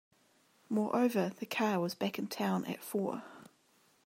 Moreover, the car was back in town at four.